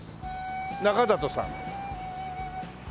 中里さん。